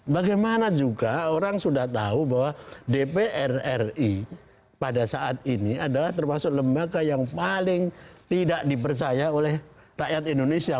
bagaimana juga orang sudah tahu bahwa dpr ri pada saat ini adalah termasuk lembaga yang paling tidak dipercaya oleh rakyat indonesia